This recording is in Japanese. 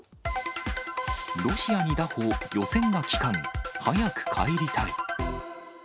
ロシアに拿捕、漁船が帰還。早く帰りたい。